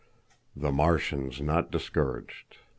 The Martians Not Discouraged.